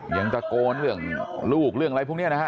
ยังตะโกนเรื่องลูกเรื่องอะไรพวกนี้นะฮะ